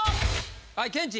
はいケンチ。